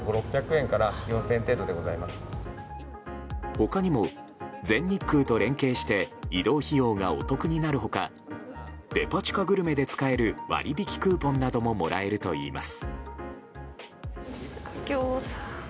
他にも、全日空と連携して移動費用がお得になる他デパ地下グルメで使える割引クーポンなどももらえるといいます。